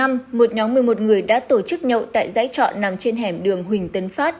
một nhóm một mươi một người đã tổ chức nhậu tại giấy trọ nằm trên hẻm đường huỳnh tân phát